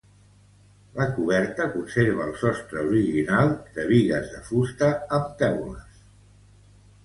La coberta conserva el sostre original de bigues de fusta amb taules.